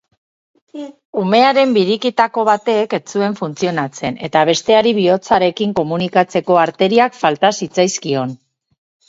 Umearen biriketako batek ez zuen funtzionatzen eta besteari bihotzarekin komunikatzeko arteriak falta zitzaizkion.